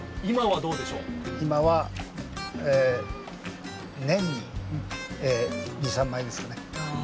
今は年に２３枚ですね。